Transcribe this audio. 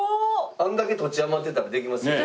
あれだけ土地余ってたらできますよね。